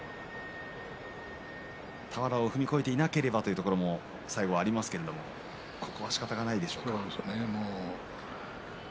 俵を踏み越えていなければというところ最後ありますけれどもここはしかたないですか？